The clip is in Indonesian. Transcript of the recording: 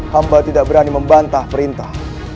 hamba tidak berani membantah perintah